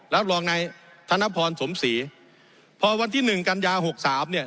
รองนายธนพรสมศรีพอวันที่หนึ่งกันยาหกสามเนี่ย